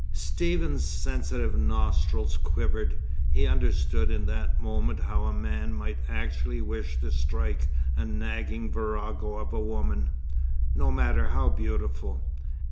Stephen's sensitive nostrils quivered. He understood in that moment how a man might actually wish to strike a nagging virago of a woman, no matter how beautiful.